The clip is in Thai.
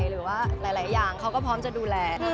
หรือว่าหลายอย่างเขาก็พร้อมจะดูแล